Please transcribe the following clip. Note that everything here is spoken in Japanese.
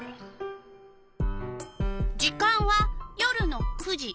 時間は夜の９時。